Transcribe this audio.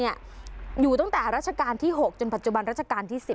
อยู่ตั้งแต่รัชการที่หกจนจนรัชการที่๑๐